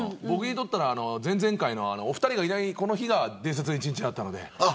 僕にとったら前々回のお二人がいない、この日が伝説の一日だったので。